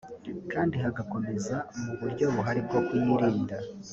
kandi hagakomeza mu buryop buhari bwo kuyirinda